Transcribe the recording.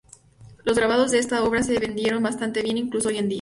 Los grabados de estas obras se vendieron bastante bien, incluso hoy en día.